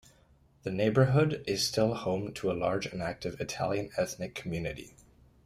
The neighborhood is still home to a large and active Italian ethnic community.